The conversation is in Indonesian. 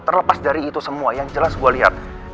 terlepas dari itu semua yang jelas gue lihat